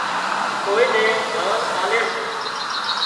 ڪوئي نين ۮانَ آلي سي